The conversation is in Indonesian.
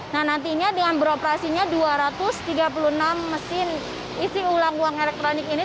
nah nantinya dengan beroperasinya dua ratus tiga puluh enam mesin isi ulang uang elektronik ini